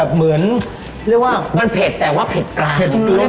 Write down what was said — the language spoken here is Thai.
เหมือนเรียกว่ามันเผ็ดแต่ว่าเผ็ดกลาง